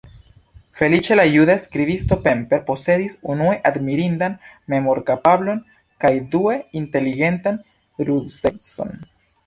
Feliĉe la juda skribisto Pemper posedis unue admirindan memorkapablon kaj due inteligentan ruzecon.